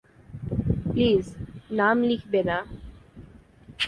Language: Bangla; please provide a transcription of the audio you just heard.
প্লিজ নাম লিখবে না।